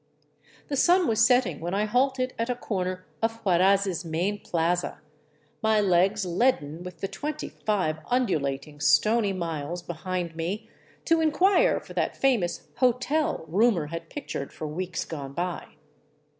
The sun was setting when I halted at a corner of Huaraz' main plaza, my legs leaden with the twenty five undulating, stony miles behind me, to inquire for that famous hotel rumor had pictured for weeks gone by.